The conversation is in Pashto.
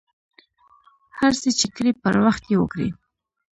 هر څه ،چې کرئ پر وخت یې وکرئ.